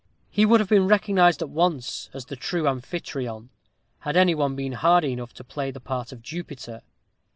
He would have been recognized at once as the true Amphitryon, had any one been hardy enough to play the part of Jupiter.